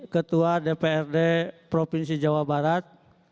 ketua dprd provinsi jawa barat